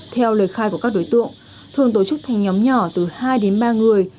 theo lời khai của các đối tượng thường tổ chức thành nhóm nhỏ từ hai đến ba người